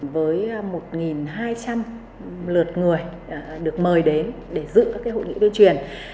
với một hai trăm linh lượt người được mời đến để giữ các hội nghị tuyên truyền